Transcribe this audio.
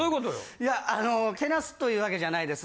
いやあのけなすというわけじゃないです。